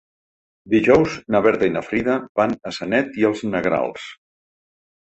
Dijous na Berta i na Frida van a Sanet i els Negrals.